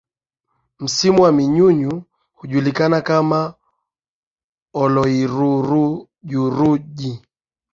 Msimu wa manyunyu hujulikana kama Oloirurujuruj